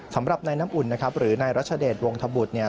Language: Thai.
สำหรับนายน้ำอุ่นนะครับหรือนายรัชเดชวงธบุตรเนี่ย